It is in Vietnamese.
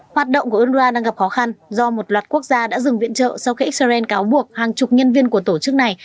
hoạt động của unrwa đang gặp khó khăn do một loạt quốc gia đã dừng viện trợ sau khi israel cáo buộc hàng chục nhân viên của tổ chức này